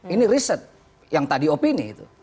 ini riset yang tadi opini itu